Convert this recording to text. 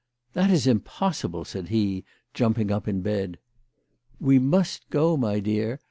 " That is impossible," said he, jumping up in bed. " We must go, my dear.